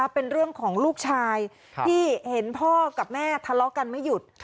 เป็นเรื่องของลูกชายที่เห็นพ่อกับแม่ทะเลาะกันไม่หยุด